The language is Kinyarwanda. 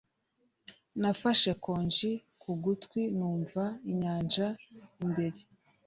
nafashe conch ku gutwi numva inyanja imbere